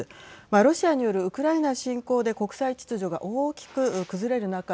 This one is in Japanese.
ロシアによるウクライナ侵攻で国際秩序が大きく崩れる中